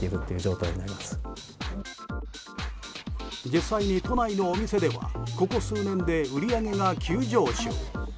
実際に都内のお店ではここ数年で売り上げが急上昇。